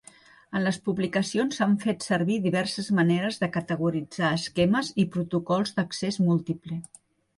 En les publicacions s'han fet servir diverses maneres de categoritzar esquemes i protocols d'accés múltiple.